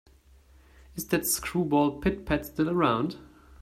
Is that screwball Pit-Pat still around?